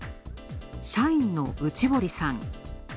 社員の内堀さん。